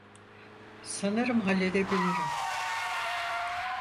Sanırım halledebilirim.